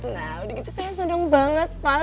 nah udah gitu saya senang banget pak